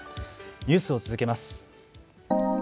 ニュースを続けます。